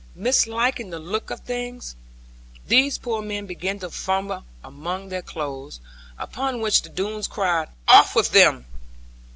Misliking the look of things, these poor men began to fumble among their clothes; upon which the Doones cried, 'off with them!